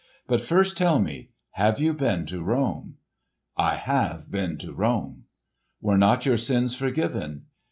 "But first tell me, have you been to Rome?" "I have been to Rome." "Were not your sins forgiven?"